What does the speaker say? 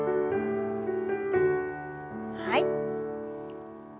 はい。